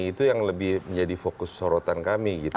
itu yang lebih menjadi fokus sorotan kami gitu